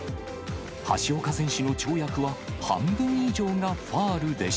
橋岡選手の跳躍は半分以上がファ